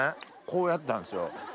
こうやったんですよ。